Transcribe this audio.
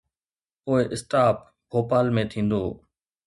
پوءِ اسٽاپ ڀوپال ۾ ٿيندو.